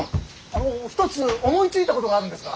あの一つ思いついたことがあるんですが。